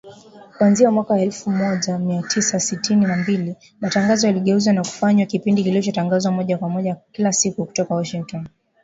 Kuanzia mwaka elfu moja mia tisa sitini na mbili, matangazo yaligeuzwa na kufanywa kipindi kilichotangazwa moja kwa moja, kila siku kutoka Washington.